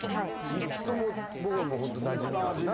３つとも僕はもうホントなじみがあるな。